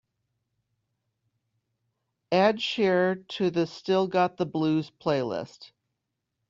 Add Chér to the Still Got the Blues playlist